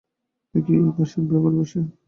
তুমি এই পাশের ঘরে এসো।